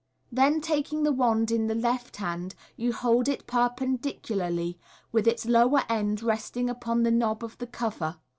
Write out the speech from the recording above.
Then taking the wand in the left hand, you hold it per pendicularly, with its lower end resting upon the knob of the cover.